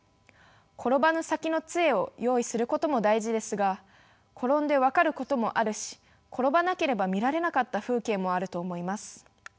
「転ばぬ先の杖」を用意することも大事ですが転んで分かることもあるし転ばなければ見られなかった風景もあると思います。